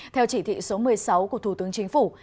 theo chỉ thị số một mươi sáu của thủ tướng chính phủ